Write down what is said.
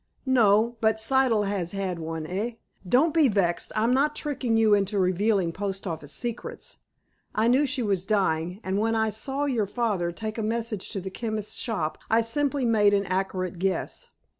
"No. But Siddle has had one, eh? Don't be vexed. I'm not tricking you into revealing post office secrets. I knew she was dying, and, when I saw your father take a message to the chemist's shop I simply made an accurate guess....